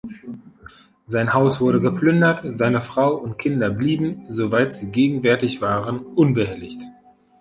Sein Haus wurde geplündert, seine Frau und Kinder blieben, soweit sie gegenwärtig waren, unbehelligt.